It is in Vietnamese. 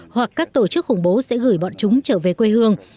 hoặc các tổ chức khủng bố sẽ gửi bọn chúng trở về quê hương